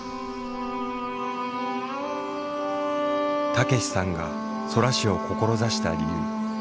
武さんが空師を志した理由